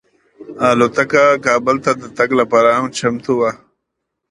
الوتکه کابل ته د راتګ لپاره چمتو وه.